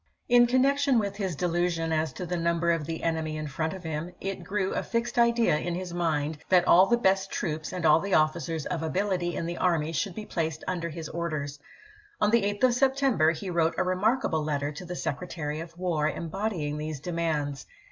In connection with his delusion as to the num ber of the enemy in front of him, it grew a fixed idea in his mind that all the best troops and all the officers of ability in the army should be placed under his orders. On the 8th of September he wrote a remarkable letter to the Secretary of War embodying these demands.